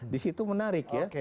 disitu menarik ya